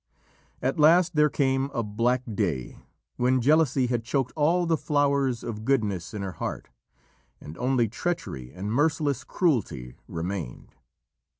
At last there came a black day when jealousy had choked all the flowers of goodness in her heart, and only treachery and merciless cruelty remained.